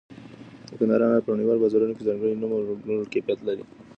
د کندهار انار په نړیوالو بازارونو کې ځانګړی نوم او لوړ کیفیت لري.